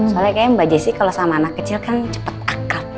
soalnya kayaknya mbak jessi kalau sama anak kecil kan cepat akrab